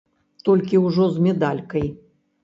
Толькі ўжо з медалькай.